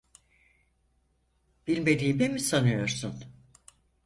Bilmediğimi mi sanıyorsun?